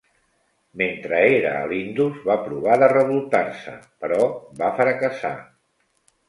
Mentre era a l'Indus, va provar de revoltar-se però va fracassar.